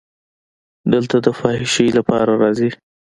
دلته د فحاشۍ لپاره راځي.